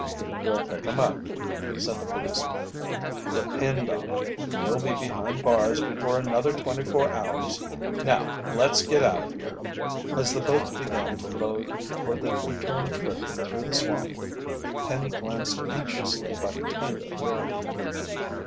"We'll pick him up," said the policeman. "Depend on it, he'll be behind bars before another twenty four hours. Now let's get out of here!" As the boats began to load for the return trip through the swamp, Penny glanced anxiously about the tiny clearing.